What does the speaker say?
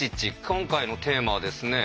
今回のテーマはですね